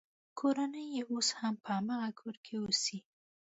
کورنۍ یې اوس هم په هماغه کور کې اوسي.